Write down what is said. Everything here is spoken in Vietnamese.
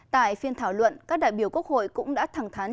tại phiên thảo luận các đại biểu quốc hội cũng đã thẳng thắn